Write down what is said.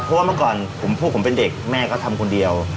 เพราะว่าเมื่อก่อนพวกผมเป็นเด็กแม่ก็ทำคนเดียว